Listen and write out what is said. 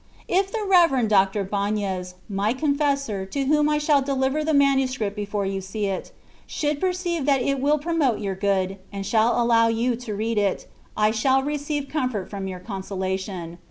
If the Rev. Dr. Baiiez,* my confessor (to whom I shall deliver the manuscript before you see it), should perceive that it wiU promote your good, and shall allow you to read it, I shall receive comfort from your consolation.